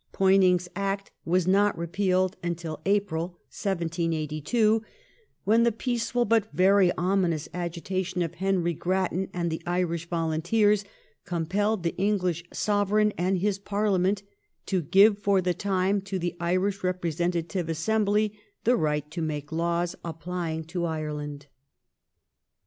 Poyning's Act was not repealed until April, 1782, when the peaceful but very ominous agitation of Henry Grattan and the Irish volunteers compelled the English Sovereign and his Parliament to give, for the time, to the Irish representative assembly the right to make laws applying to Ireland.